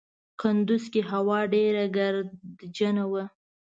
کندوز کې هوا ډېره ګردجنه وه.